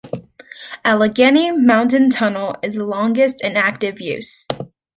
Allegheny Mountain Tunnel is the longest in active use.